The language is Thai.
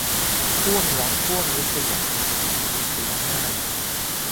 ห้วงรักห้วงริษยา - บุษยมาส